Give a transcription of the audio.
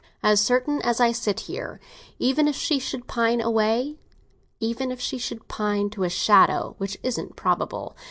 "As certain as that I sit here!" "Even if she should pine away?" "Even if she should pine to a shadow, which isn't probable."